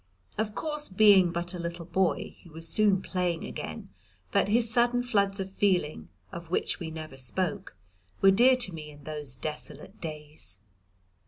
Of course being but a little boy he was soon playing again, but his sudden floods of feeling, of which we never spoke, were dear to me in those desolate days.